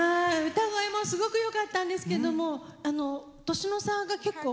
歌声もすごくよかったんですけど年の差が結構。